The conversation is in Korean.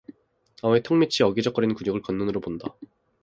아우의 턱밑의 어기적거리는 근육을 곁눈으로 본다.